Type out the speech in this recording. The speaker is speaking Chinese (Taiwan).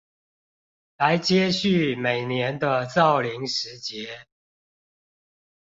來接續每年的造林時節